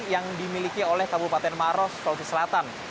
yang dimiliki oleh kabupaten maros sulawesi selatan